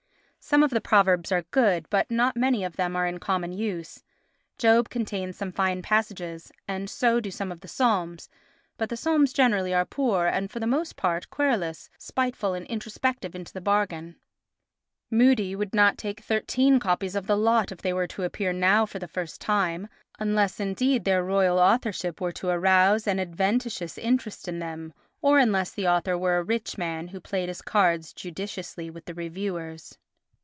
Some of the Proverbs are good, but not many of them are in common use. Job contains some fine passages, and so do some of the Psalms; but the Psalms generally are poor and, for the most part, querulous, spiteful and introspective into the bargain. Mudie would not take thirteen copies of the lot if they were to appear now for the first time—unless indeed their royal authorship were to arouse an adventitious interest in them, or unless the author were a rich man who played his cards judiciously with the reviewers.